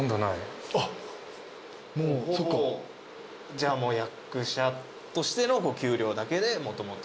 じゃあ役者としてのお給料だけでもともと。